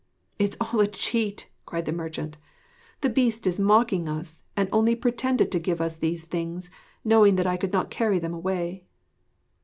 'It is all a cheat!' cried the merchant. The Beast is mocking us, and only pretended to give us these things, knowing that I could not carry them away.'